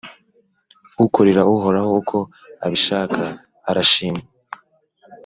Ukorera Uhoraho uko abishaka, arashimwa,